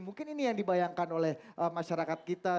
mungkin ini yang dibayangkan oleh masyarakat kita